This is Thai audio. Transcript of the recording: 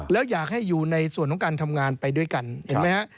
แล้วอยากให้อยู่ในส่วนของการทำงานไปด้วยกันเห็นไหมฮะ